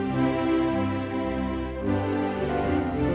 saudara pendengar yang setia